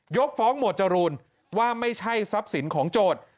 กฟ้องหมวดจรูนว่าไม่ใช่ทรัพย์สินของโจทย์